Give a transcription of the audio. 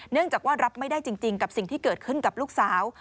จากว่ารับไม่ได้จริงกับสิ่งที่เกิดขึ้นกับลูกสาว